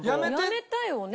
やめたよね？